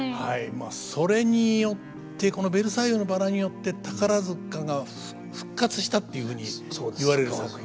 まあそれによってこの「ベルサイユのばら」によって宝塚が復活したっていうふうに言われる作品ですね。